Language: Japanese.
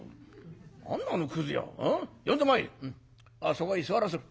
そこに座らせろ。